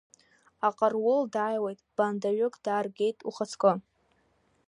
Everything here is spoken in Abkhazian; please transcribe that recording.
Аҟарул дааиуеит баандаҩык дааргеит, ухаҵкы.